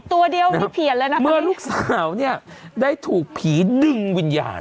ตัวเดียวนี่เปลี่ยนเลยนะคะเมื่อลูกสาวเนี่ยได้ถูกผีดึงวิญญาณ